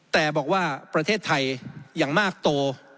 แต่บอกว่าประเทศไทยอย่างมากโต